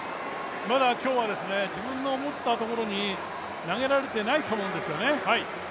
まだ今日は自分の思ったところに投げられてないと思うんですよね。